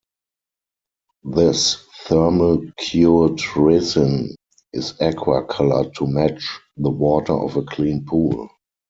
This thermal-cured resin is aqua-colored to match the water of a clean pool.